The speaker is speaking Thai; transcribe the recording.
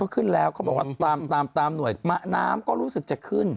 ขึ้นแล้วเขาบอกว่าตามหน่วยน้ำก็รู้สึกจะขึ้น